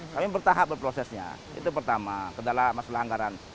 kami bertahap berprosesnya itu pertama kendala masalah anggaran